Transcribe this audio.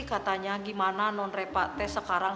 katanya gimana non repat teh sekarang